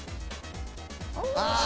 ああ。